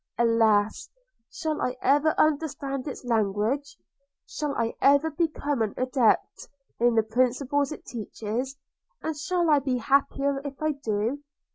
– Alas! shall I ever understand its language? shall I ever become an adept in the principles it teaches? and shall I be happier if I do?